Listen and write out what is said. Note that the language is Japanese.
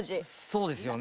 そうですよね。